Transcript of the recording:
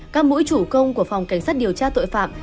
các mũi chủ công của phòng cảnh sát điều tra tội phạm